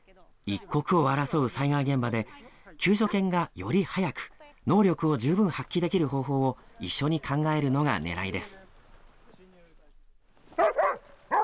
一刻を争う災害現場で、救助犬がより早く、能力を十分発揮できる方法を一緒に考えるのがねらいです。